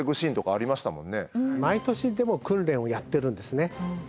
毎年でも訓練をやってるんですね。